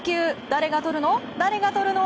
誰がとるの？